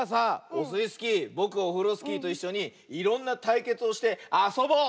オスイスキーぼくオフロスキーといっしょにいろんなたいけつをしてあそぼう！